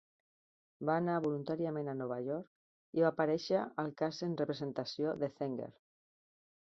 Va anar voluntàriament a Nova York i va aparèixer al cas en representació de Zenger.